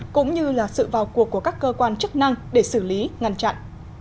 cũng như là sự vào cuộc của các cơ quan chức năng để xử lý ngăn chặn